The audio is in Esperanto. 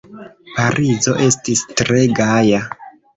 Parizo estis tre gaja.